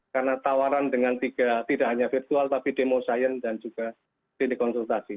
karena tawaran dengan tiga tidak hanya virtual tapi demo science dan juga klinik konsultasi